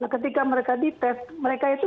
ketika mereka di test mereka itu